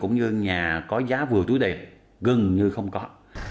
nhà có giá vừa túi đẹp gần như không có